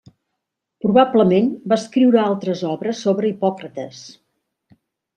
Probablement va escriure altres obres sobre Hipòcrates.